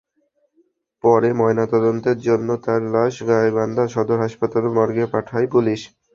পরে ময়নাতদন্তের জন্য তাঁর লাশ গাইবান্ধা সদর হাসপাতাল মর্গে পাঠায় পুলিশ।